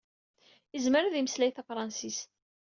Izmer ad imeslay tafṛansist.